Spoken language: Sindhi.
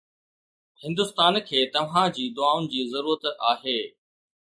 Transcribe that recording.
هندستان کي توهان جي دعائن جي ضرورت آهي